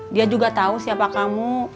dia juga tahu siapa kamu